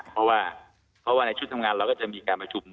เพราะว่าในชุดทำงานเราก็จะมีการมาชุม